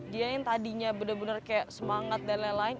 dia yang tadinya benar benar kayak semangat dan lain lain